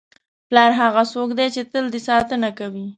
پلار هغه څوک دی چې تل دې ساتنه کوي.